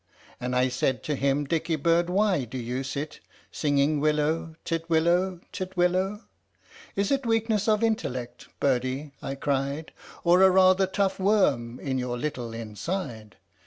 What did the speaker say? " And I said to him " Dicky bird, why do you sit Singing ' Willow, titwillow, titwillow '? Is it weakness of intellect, birdie?" I cried, " Or a rather tough worm in your little inside?"